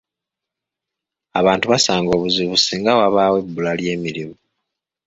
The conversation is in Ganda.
Abantu basanga obuzibu ssinga wabaawo ebbula ly’emirimu.